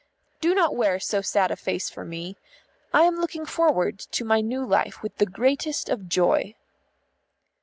Do not wear so sad a face for me. I am looking forward to my new life with the greatest of joy."